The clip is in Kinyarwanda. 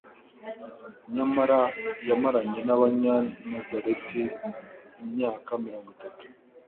nyamara yamaranye n'Abanyanazareti imvaka mirongo itatu.